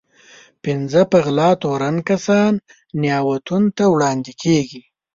پنځه په غلا تورن کسان نياوتون ته وړاندې کېږي.